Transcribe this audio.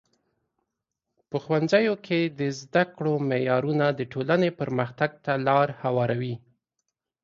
په ښوونځیو کې د زده کړو معیارونه د ټولنې پرمختګ ته لار هواروي.